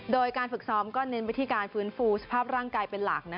โดยการฝึกซ้อมก็เน้นวิธีการฟื้นฟูสภาพร่างกายเป็นหลัก